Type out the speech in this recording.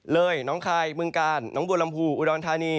เลยน้องคายมึงกาลน้องบวนลำพูลอุดอนธานี